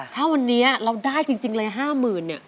ถ้าวันนี้เราได้จริงเลยห้าหมื่น